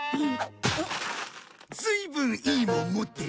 ずいぶんいいもん持ってんな。